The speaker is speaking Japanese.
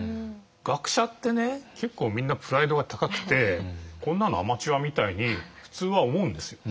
学者ってね結構みんなプライドが高くてこんなのアマチュアみたいに普通は思うんですよ。